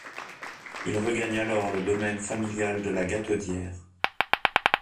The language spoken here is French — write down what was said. Il regagne alors le domaine familial de la Gataudière.